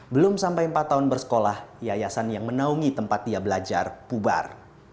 belum sampai empat tahun bersekolah yayasan yang menaungi tempat dia belajar pubar